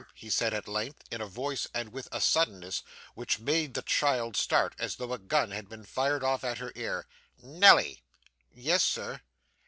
he said at length, in a voice, and with a suddenness, which made the child start as though a gun had been fired off at her ear. 'Nelly!' 'Yes, sir.